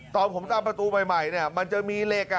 ตอนผมทำประตูใหม่เนี่ยมันจะมีเหล็กอ่ะ